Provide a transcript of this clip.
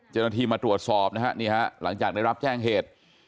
เจนทีมาตรวจสอบหลังจากได้รับแจ้งเหตุ